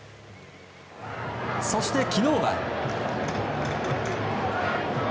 そして昨日は。